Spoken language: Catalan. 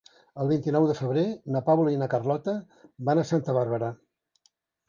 El vint-i-nou de febrer na Paula i na Carlota van a Santa Bàrbara.